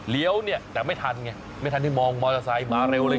เนี่ยแต่ไม่ทันไงไม่ทันที่มองมอเตอร์ไซค์มาเร็วเลย